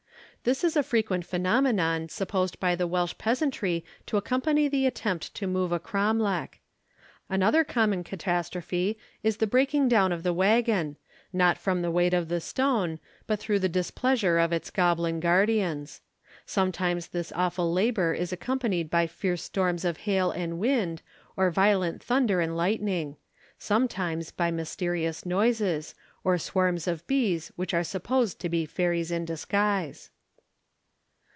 This is a frequent phenomenon supposed by the Welsh peasantry to accompany the attempt to move a cromlech. Another common catastrophe is the breaking down of the waggon not from the weight of the stone, but through the displeasure of its goblin guardians. Sometimes this awful labour is accompanied by fierce storms of hail and wind, or violent thunder and lightning; sometimes by mysterious noises, or swarms of bees which are supposed to be fairies in disguise.